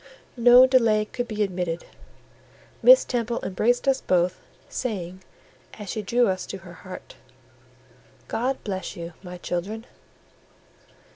no delay could be admitted; Miss Temple embraced us both, saying, as she drew us to her heart— "God bless you, my children!"